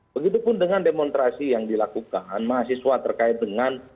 begitupun dengan demonstrasi yang dilakukan mahasiswa terkait dengan